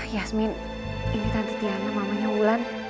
yasmin ini tadi tiana mamanya wulan